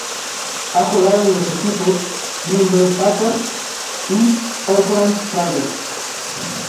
Ha jugado en los equipos Green Bay Packers y Oakland Raiders.